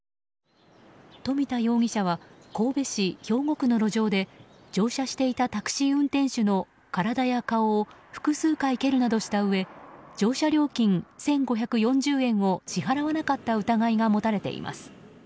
富田容疑者は神戸市兵庫区の路上で乗車していたタクシー運転手の体や顔を複数回蹴るなどしたうえ乗車料金１５４０円を支払わなかった疑いが持たれています。